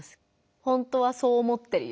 「本当はそう思ってるよ。